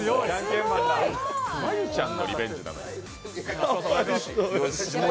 真悠ちゃんのリベンジなのに。